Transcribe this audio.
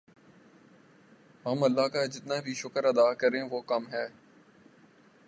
ہم اللہ کا جتنا بھی شکر ادا کریں وہ کم ہے